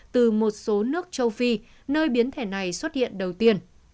từ một số nước châu phi nơi biến thể này xuất hiện đầu tiên